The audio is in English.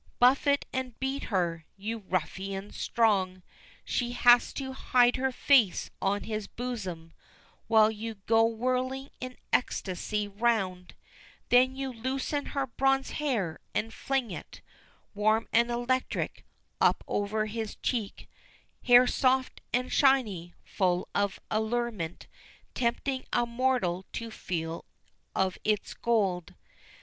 Buffet and beat her you ruffian strong! She has to hide her face on his bosom, While you go whirling in ecstasy round, Then you loosen her bronze hair and fling it, Warm and electric, up over his cheek, Hair soft and shiny, full of allurement, Tempting a mortal to feel of its gold.